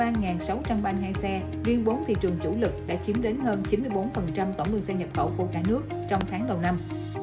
riêng bốn thị trường chủ lực đã chiếm đến hơn chín mươi bốn tổng đường xe nhập khẩu của cả nước trong tháng đầu năm